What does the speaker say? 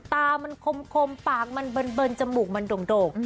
ตามันคมปากมันเบิร์นจมูกมันโด่ง